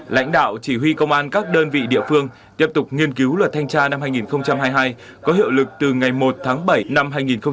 lãnh đạo chỉ huy công an các đơn vị địa phương tiếp tục nghiên cứu luật thanh tra năm hai nghìn hai mươi hai có hiệu lực từ ngày một tháng bảy năm hai nghìn hai mươi